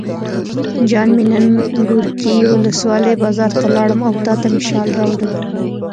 جان مې نن ګورکي ولسوالۍ بازار ته لاړم او تاته مې شال راوړل.